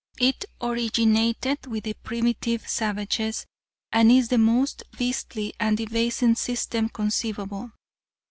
It originated with the primitive savages, and is the most beastly and debasing system conceivable.